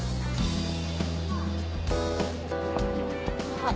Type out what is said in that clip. あっ。